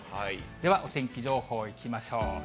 では、お天気情報いきましょう。